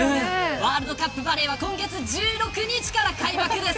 ワールドカップバレーは今月１６日から開幕です。